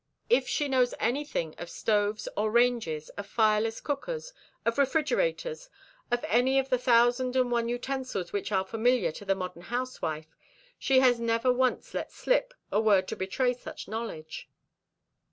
If she knows anything of stoves or ranges, of fireless cookers, of refrigerators, of any of the thousand and one utensils which are familiar to the modern housewife, she has never once let slip a word to betray such knowledge.